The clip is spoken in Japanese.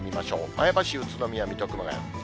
前橋、宇都宮、水戸、熊谷。